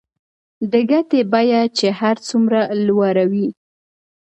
د ګټې بیه چې هر څومره لوړه وي